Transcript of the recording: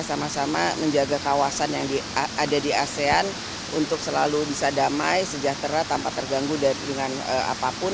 sama sama menjaga kawasan yang ada di asean untuk selalu bisa damai sejahtera tanpa terganggu dengan apapun